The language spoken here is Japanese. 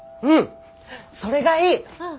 うんそれがいい！